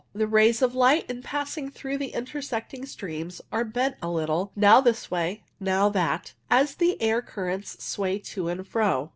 The rays of light in passing through the intersecting streams are bent a little, now this way, now that, as the air currents sway to and fro.